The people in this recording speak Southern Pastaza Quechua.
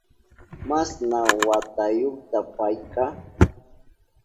¿Masna watayuta payka?